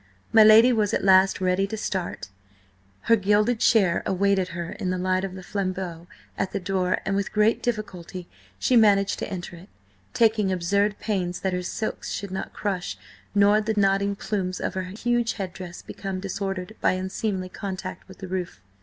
My lady was at last ready to start; her gilded chair awaited her in the light of the flambeaux at the door, and with great difficulty she managed to enter it, taking absurd pains that her silks should not crush, nor the nodding plumes of her huge head dress become disordered by unseemly contact with the roof.